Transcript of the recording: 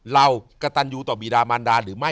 เรากระตันยูต่อบีดามันดาหรือไม่